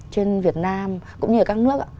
trên việt nam cũng như ở các nước